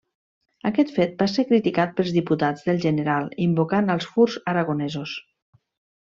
Aquest fet va ser criticat pels diputats del general invocant als furs aragonesos.